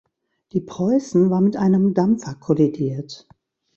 Die "Preußen" war mit einem Dampfer kollidiert.